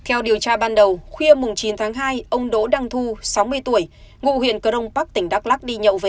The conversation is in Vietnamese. theo điều tra ban đầu khuya mùng chín tháng hai ông đỗ đăng thu sáu mươi tuổi ngụ huyền cờ đông bắc tỉnh đắk lắc đi nhậu về